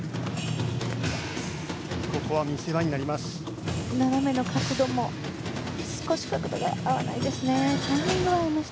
ここは見せ場になります。